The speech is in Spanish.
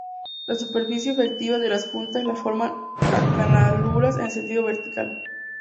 La superficie efectiva de las juntas la forman acanaladuras en el sentido vertical.